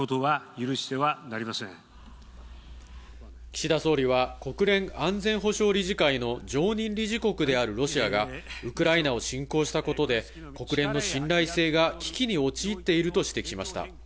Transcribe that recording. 岸田総理は国連安全保障理事会の常任理事国であるロシアがウクライナを侵攻したことで国連の信頼性が危機に陥っていると指摘しました。